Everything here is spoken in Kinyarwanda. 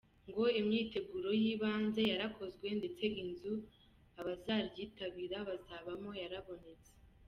Ngo imyiteguro y’ibanze yarakozwe ndetse inzu abazaryitabira bazabamo yarabonetse.